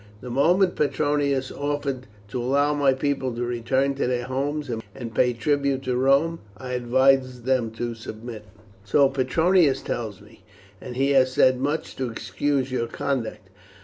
The moment Petronius offered to allow my people to return to their homes and pay tribute to Rome I advised them to submit." "So Petronius tells me, and he has said much to excuse your conduct.